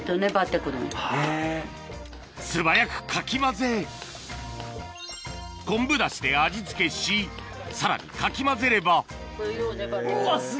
素早くかき混ぜ昆布だしで味付けしさらにかき混ぜればよう粘って。